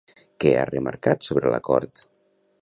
Què ha remarcat sobre l'acord?